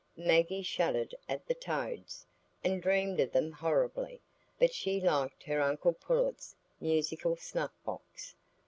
Maggie shuddered at the toads, and dreamed of them horribly, but she liked her uncle Pullet's musical snuff box.